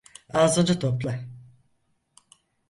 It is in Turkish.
Ağzını topla!